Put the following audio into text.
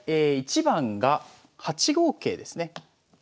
１番が８五桂ですね。